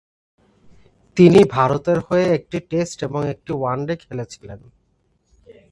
তিনি ভারতের হয়ে একটি টেস্ট এবং একটি ওয়ানডে খেলেছিলেন।